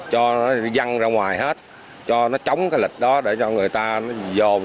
cho nó dăng ra ngoài hết cho nó chống cái lịch đó để cho người ta dồn